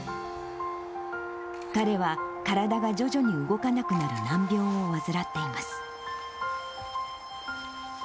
彼は、体が徐々に動かなくなる難病を患っています。